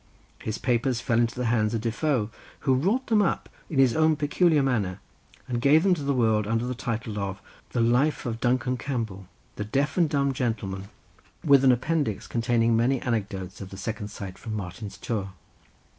His papers fell into the hands of Defoe, who wrought them up in his own peculiar manner, and gave them to the world under the title of the Life of Mr. Duncan Campbell, the deaf and dumb gentleman; with an appendix containing many anecdotes of the second sight from Martin's tour.